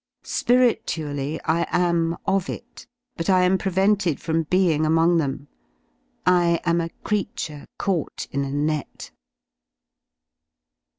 Spiritually I am of it, but I am prevented from being among them. I am a v creature caught in a net.